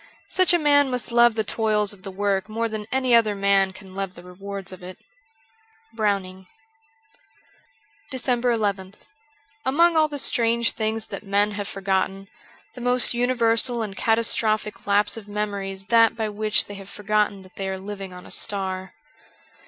Such a man must love the toils of the work more than any other man can love the rewards of it. ' Browning. 382 DECEMBER nth' AMONG all the strange things that men have forgotten, the most universal and catastrophic lapse of memory is that by which they have forgotten that they are living on a star.